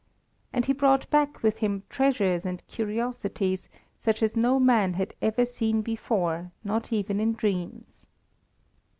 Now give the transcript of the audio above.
And he brought back with him treasures and curiosities such as no man had ever seen before, not even in dreams.